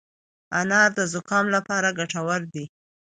انار د زکام لپاره ګټور دی.